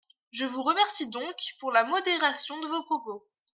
Je vous remercie donc pour la modération de vos propos.